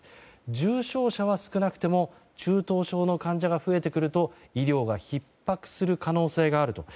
重症者は少なてとも中等症の患者が増えてくると医療がひっ迫する可能性があると。